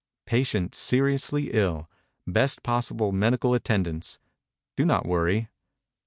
"Patient seriously ill. Best possible medical attendance. Do not worry."